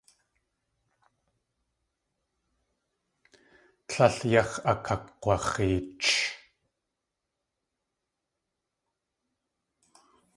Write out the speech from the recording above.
Tlél yax̲ akakg̲wax̲eech.